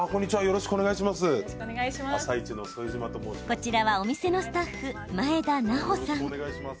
こちらは、お店のスタッフ前田奈穂さん。